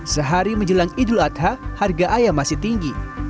sehari menjelang idul adha harga ayam masih tinggi